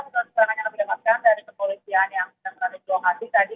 untuk pertanyaan yang saya dapatkan dari kepolisian yang terhadap jokowi tadi